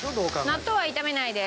納豆は炒めないです。